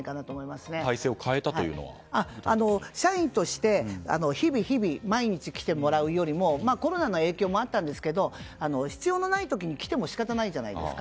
社員として日々日々、毎日来てもらうよりもコロナの影響もあったんですが必要のない時に来ても仕方ないじゃないですか。